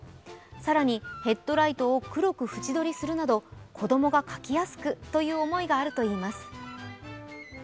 更にヘッドライトを黒く縁取りするなど子供が描きやすくという思いがあるといいます。